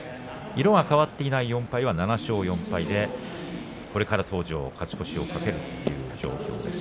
色が変わっていない４敗は７勝４敗でこれから登場し、勝ち越しを懸けるという状況です。